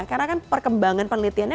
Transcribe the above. karena kan perkembangan penelitiannya